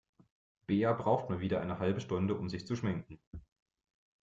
Bea braucht mal wieder eine halbe Stunde, um sich zu schminken.